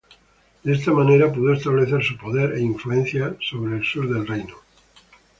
De esta manera pudo establecer su poder e influencia hacia el sur del reino.